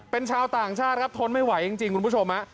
เป็นชาวต่างชาติครับทนไม่ไหวจริงคุณผู้ชม